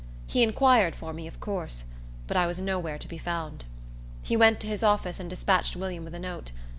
He inquired for me, of course; but I was nowhere to be found. He went to his office, and despatched William with a note.